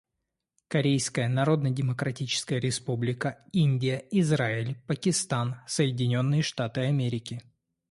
Корейская Народно-Демократическая Республика, Индия, Израиль, Пакистан, Соединенные Штаты Америки.